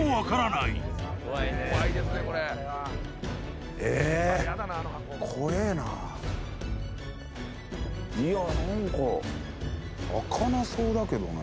いや、なんか、あかなそうだけどね。